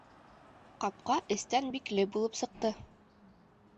Ҡапҡа эстән бикле булып сыҡты.